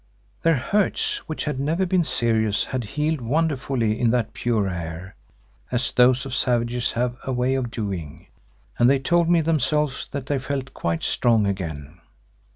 Their hurts, which had never been serious, had healed wonderfully in that pure air, as those of savages have a way of doing, and they told me themselves that they felt quite strong again.